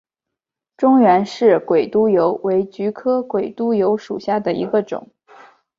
中原氏鬼督邮为菊科鬼督邮属下的一个种。